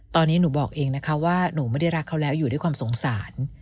ตอนนี้หนูบอกเองนะคะว่าหนูไม่ได้รักเขาแล้วอยู่ด้วยความสงสาร